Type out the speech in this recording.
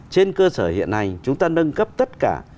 trên cơ sở hiện hành chúng ta nâng cấp tất cả